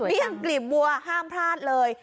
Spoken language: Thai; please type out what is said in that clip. ยังกลีบวัวห้ามพลาดเลย